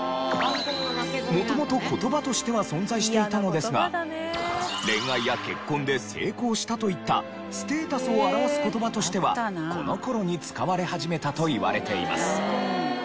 元々言葉としては存在していたのですが恋愛や結婚で成功したといったステータスを表す言葉としてはこの頃に使われ始めたといわれています。